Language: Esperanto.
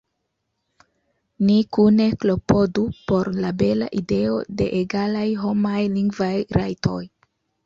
Ni kune klopodu por la bela ideo de egalaj homaj lingvaj rajtoj!